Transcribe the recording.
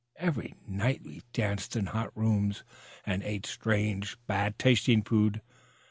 Every night we danced in hot rooms and ate strange bad tasting food.